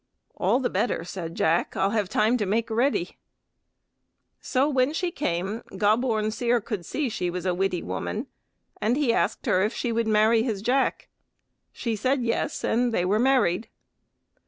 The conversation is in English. "All the better," said Jack, "I'll have time to make ready." So when she came Gobborn Seer could see she was a witty woman, and he asked her if she would marry his Jack. She said "Yes," and they were married.